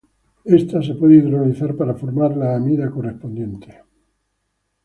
Ésta se puede hidrolizar para formar la amida correspondiente.